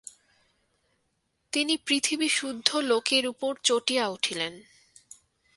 তিনি পৃথিবীসুদ্ধ লোকের উপর চটিয়া উঠিলেন।